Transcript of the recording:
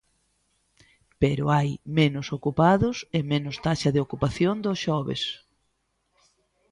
Pero hai menos ocupados e menos taxa de ocupación dos xoves.